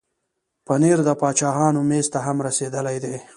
پنېر د باچاهانو مېز ته هم رسېدلی دی.